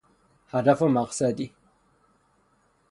هدف و مقصدی